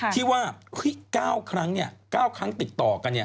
ที่ว่า๙ครั้งเนี่ย๙ครั้งติดต่อกัน